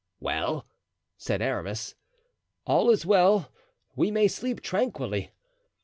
"Well!" said Aramis. "All is well; we may sleep tranquilly."